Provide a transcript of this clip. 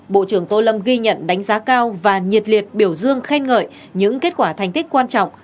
bộ trưởng tô lâm ghi nhận đánh giá cao và nhiệt liệt biểu dương khen ngợi những kết quả thành tích quan trọng